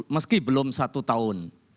meski belum satu tahun